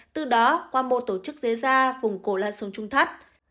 từ đó qua mô tổ chức dế da vùng cổ lan xuống trung thất